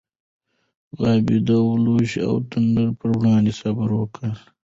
غابي د لوږې او تندې پر وړاندې صبر کوي.